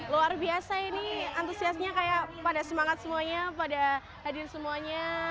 luar biasa ini antusiasnya kayak pada semangat semuanya pada hadir semuanya